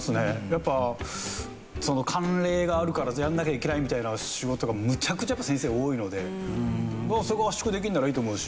やっぱその慣例があるからやんなきゃいけないみたいな仕事がむちゃくちゃやっぱ先生多いのでそこを圧縮できるならいいと思うし。